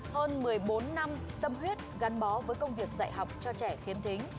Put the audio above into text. hơn một mươi bốn năm tâm huyết gắn bó với công việc dạy học cho trẻ khiếm thính